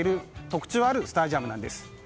特徴あるスタジアムなんです。